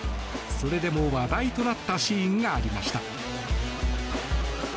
それでも話題となったシーンがありました。